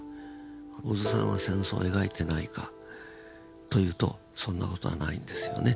小津さんは戦争を描いてないかというとそんな事はないんですよね。